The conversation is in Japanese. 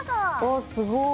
あすごい。